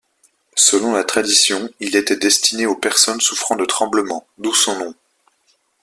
Selon la tradition, il était destiné aux personnes souffrant de tremblements, d'où son nom.